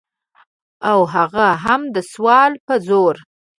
او هغه هم د سوال په زور.